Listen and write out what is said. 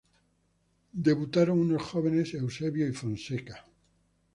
Debutaron unos jóvenes Eusebio y Fonseca.